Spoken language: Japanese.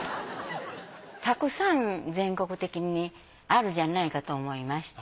たくさん全国的にあるんじゃないかと思いまして。